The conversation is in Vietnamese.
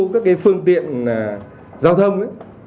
các cái phương tiện giao thông